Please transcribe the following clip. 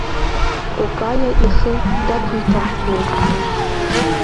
Кокаиа ихы дақәиҭаҳтәуеит.